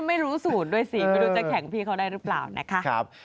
ไม่รู้ศูนย์ด้วยสิไม่รู้จะแข่งพี่เขาได้หรือเปล่านะคะ